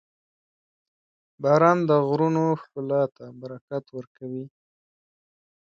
• باران د غرونو ښکلا ته برکت ورکوي.